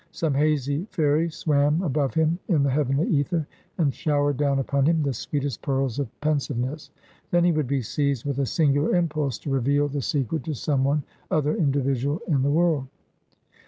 Some hazy fairy swam above him in the heavenly ether, and showered down upon him the sweetest pearls of pensiveness. Then he would be seized with a singular impulse to reveal the secret to some one other individual in the world.